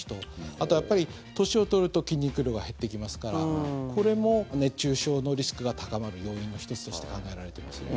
あとはやっぱり、年を取ると筋肉量が減ってきますからこれも熱中症のリスクが高まる要因の１つとして考えられていますね。